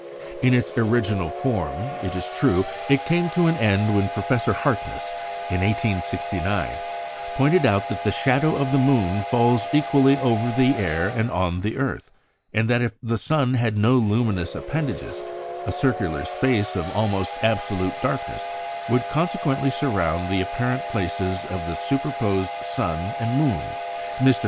In its original form, it is true, it came to an end when Professor Harkness, in 1869, pointed out that the shadow of the moon falls equally over the air and on the earth, and that if the sun had no luminous appendages, a circular space of almost absolute darkness would consequently surround the apparent places of the superposed sun and moon. Mr.